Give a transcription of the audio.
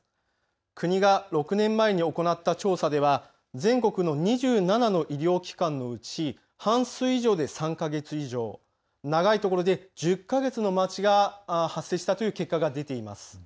国が６年前に行った調査では全国の２７の医療機関のうち半数以上で３か月以上、長いところで１０か月の待ちが発生したという結果が出ています。